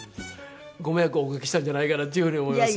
ご迷惑をおかけしたんじゃないかなっていう風に思います。